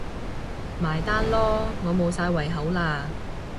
埋單囉，我無晒胃口喇